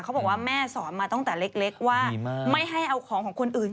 เขาบอกว่าแม่สอนมาตั้งแต่เล็กว่าไม่ให้เอาของของคนอื่น